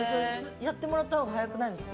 やってもらったほうが早くないですか？